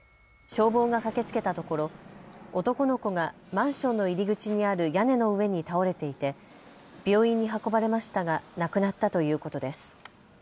消防が駆けつけたところ男の子がマンションの入り口にある屋根の上に倒れていて病院に運ばれましたが亡くなったということです。